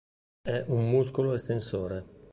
È un muscolo estensore.